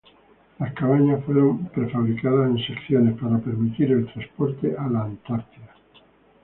Las cabañas fueron prefabricadas en secciones para permitir el transporte a la Antártida.